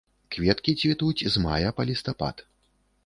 Кветкі цвітуць з мая па лістапад.